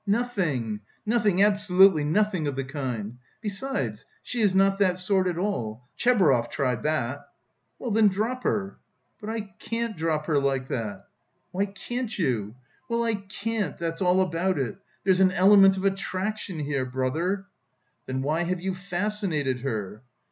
"Nothing, nothing, absolutely nothing of the kind! Besides she is not that sort at all.... Tchebarov tried that...." "Well then, drop her!" "But I can't drop her like that!" "Why can't you?" "Well, I can't, that's all about it! There's an element of attraction here, brother." "Then why have you fascinated her?"